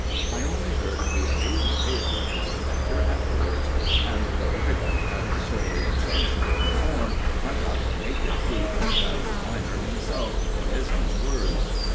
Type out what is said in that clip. I only heard the amazing tale of his adventure afterwards, and though everybody had the story in some shape or form, I got the naked truth from Travers minor himself in his own words.